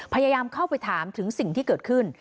พยายามเข้าไปถามถึงสิ่งที่เกิดขึ้น